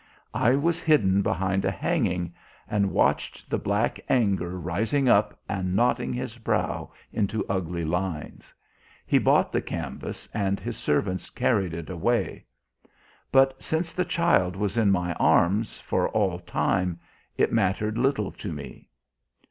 "I was hidden behind a hanging and watched the black anger rising up and knotting his brow into ugly lines. He bought the canvas, and his servants carried it away. But since the child was in my arms for all time it mattered little to me.